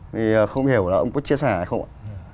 vì không hiểu là ông có chia sẻ hay không ạ